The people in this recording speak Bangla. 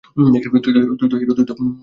তুই তো হিরো।